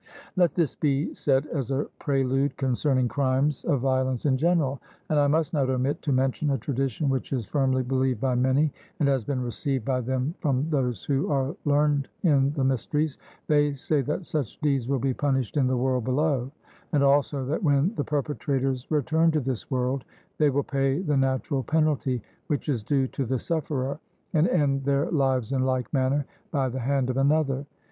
Let this be said as a prelude concerning crimes of violence in general; and I must not omit to mention a tradition which is firmly believed by many, and has been received by them from those who are learned in the mysteries: they say that such deeds will be punished in the world below, and also that when the perpetrators return to this world they will pay the natural penalty which is due to the sufferer, and end their lives in like manner by the hand of another.